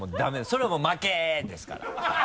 それはもう負け！ですから。